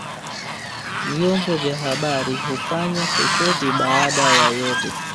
vyombo vya habari hufanya chochote baada ya yote